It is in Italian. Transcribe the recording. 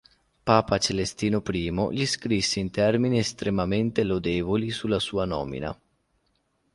Papa Celestino I gli scrisse in termini estremamente lodevoli sulla sua nomina.